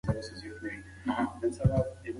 اغا تر څو شپو پورې له ما سره سمې خبرې نه کولې.